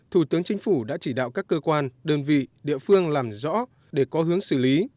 thủ tướng chính phủ đã chỉ đạo các cơ quan đơn vị địa phương làm rõ để có hướng xử lý